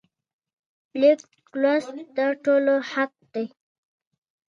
د هغه ډيپلوماسي بریالی وه.